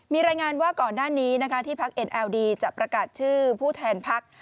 มีรายงานว่าก่อนหน้านี้นะคะที่พักเอ็นเอลดีจะประกาศชื่อผู้แทนพัก